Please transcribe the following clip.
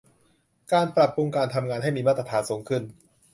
การปรับปรุงการทำงานให้มีมาตรฐานสูงขึ้น